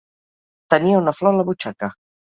Tenia una flor a la butxaca.